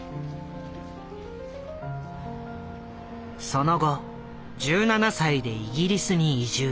その後１７歳でイギリスに移住。